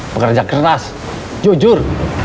pekerja keras jujur